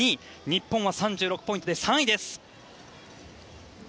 日本は３６ポイントで３位です。